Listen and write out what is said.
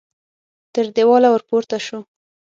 تر دېواله ور پورته شو.